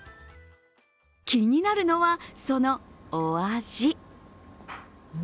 気になるのは、そのお味。